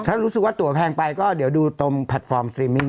ถ้ารู้สึกว่าตัวแพงไปก็เดี๋ยวดูตรงแพลตฟอร์มสตรีมมิ่ง